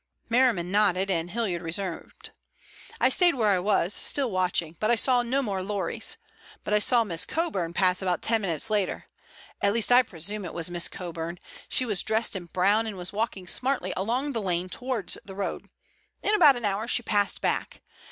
Merriman nodded and Hilliard resumed. "I stayed where I was, still watching, but I saw no more lorries. But I saw Miss Coburn pass about ten minutes later—at least I presume it was Miss Coburn. She was dressed in brown, and was walking smartly along the lane towards the road. In about an hour she passed back.